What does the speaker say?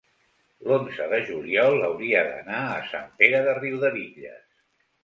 l'onze de juliol hauria d'anar a Sant Pere de Riudebitlles.